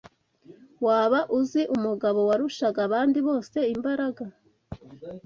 WABA uzi umugabo warushaga abandi bose imbaraga